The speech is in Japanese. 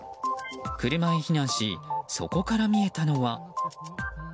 車へ避難しそこから見えたのは。